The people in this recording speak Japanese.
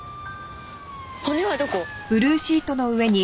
骨はどこ？